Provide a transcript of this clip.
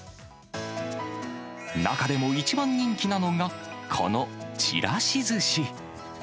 中でも一番人気なのが、このちらし寿司。